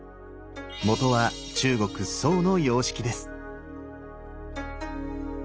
元は中国・宋の様式です。